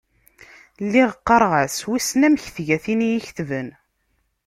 Lliɣ qqareɣ-as wissen amek tga tin i y-iketben.